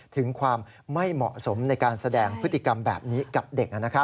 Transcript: ถึงความไม่เหมาะสมในการแสดงพฤติกรรมแบบนี้กับเด็ก